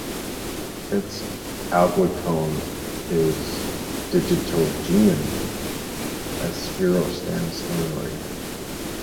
Its aglycone is digitogenin, a spirostan steroid.